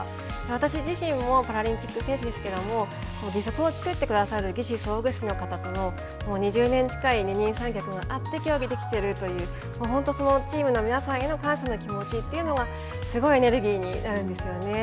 私自身もパラリンピック選手ですけれども義足を作ってくださる義肢装具士の方と２０年近い二人三脚があって競技ができているという本当、そのチームの皆さんへの感謝の気持ちというのはすごいエネルギーになるんですよね。